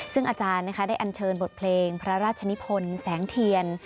ซึ่งอาจารย์ได้อันเชิญบทเพลงพระราชนิพลแสงเทียน